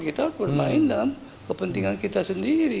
kita harus bermain dalam kepentingan kita sendiri